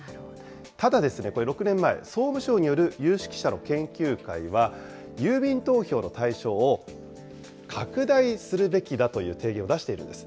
ただ、６年前、総務省による有識者の研究会は、郵便投票の対象を拡大するべきだという提言を出しているんです。